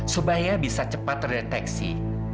supaya bisa cepat terdeteksi